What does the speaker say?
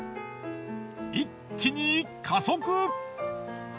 一気に加速。